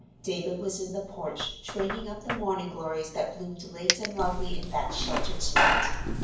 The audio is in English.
David was in the porch, training up the morning glories that bloomed late and lovely in that sheltered spot.